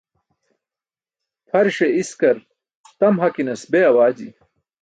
Pʰariṣe iskar tam hakinas be awaji.